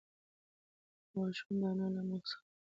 ماشوم د انا له مخې څخه په چټکۍ ووت.